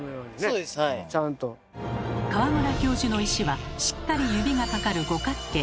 川村教授の石はしっかり指がかかる五角形。